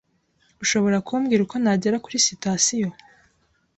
Ushobora kumbwira uko nagera kuri sitasiyo?